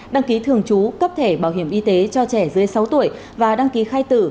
đăng ký thường trú cấp thẻ bảo hiểm y tế cho trẻ dưới sáu tuổi và đăng ký khai tử